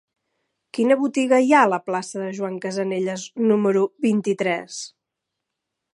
Quina botiga hi ha a la plaça de Joan Casanelles número vint-i-tres?